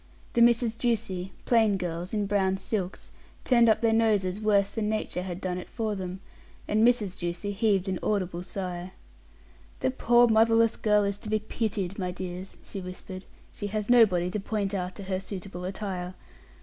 The Misses Ducie, plain girls, in brown silks, turned up their noses worse than nature had done it for them, and Mrs. Ducie heaved an audible sigh. "The poor motherless girl is to be pitied, my dears," she whispered; "she has nobody to point out to her suitable attire.